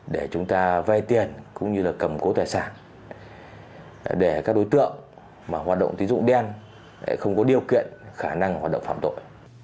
để chúng ta vay tiền cũng như là cầm cố tài sản để các đối tượng hoạt động tín dụng đen không có điều kiện khả năng hoạt động phạm tội